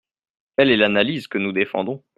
Telle est l’analyse que nous défendons.